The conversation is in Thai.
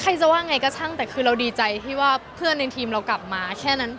ใครจะว่าง่ายก็ช่างแต่คือและดีใจที่ว่าเพื่อนที่กลับมาแค่นั้นพอ